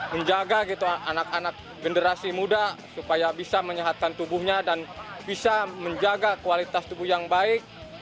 menjaga anak anak generasi muda supaya bisa menyehatkan tubuhnya dan bisa menjaga kualitas tubuh yang baik